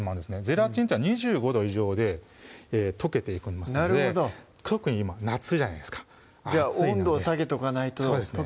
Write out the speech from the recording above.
ゼラチンというのは２５度以上で溶けていきますので特に今夏じゃないですかじゃあ温度を下げとかないとそうですね